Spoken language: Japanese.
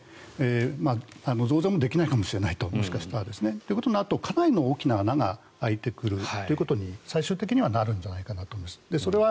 増税もできないかもしれないと。ということになるとかなりの大きな穴が開いてくるということに最終的にはなるんじゃないかと思います。